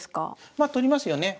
まあ取りますよね。